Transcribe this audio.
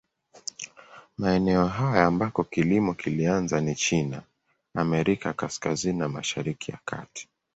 Maeneo haya ambako kilimo kilianza ni China, Amerika ya Kaskazini na Mashariki ya Kati.